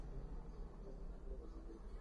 আমাদের আনুগত্য দেখানোর সময় হয়েছে!